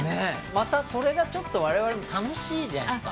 またそれがちょっと我々も楽しいじゃないですか